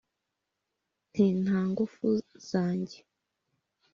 nti: “nta ngufu zange